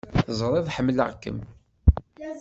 Teẓrid ḥemmleɣ-kem!